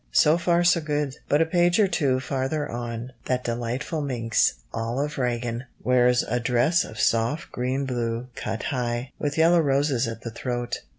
So far so good. But a page or two farther on, that delightful minx, Olive Regan, wears "a dress of soft green blue cut high, with yellow roses at the throat."